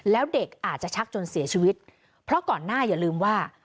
แล้วเด็กอาจจะชักจนเสียชีวิตเพราะก่อนหน้าอย่าลืมว่า